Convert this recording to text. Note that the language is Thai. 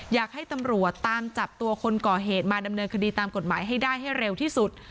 อยากให้ตำรวจตามจับตัวคนก่อเหตุมาดำเนินคดีตามกฎหมายให้ได้ให้เร็วที่สุด